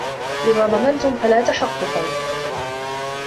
إذَا ظَنَنْتُمْ فَلَا تُحَقِّقُوا